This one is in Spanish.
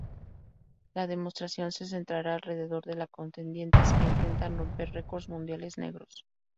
La demostración se centrará alrededor de los contendientes que intentan romper records mundiales "negros".